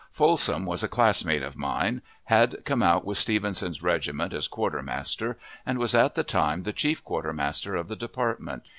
Folsom was a classmate of mine, had come out with Stevenson's regiment as quartermaster, and was at the time the chief quartermaster of the department.